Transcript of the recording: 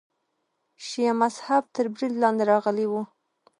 شیعه مذهب تر برید لاندې راغلی و.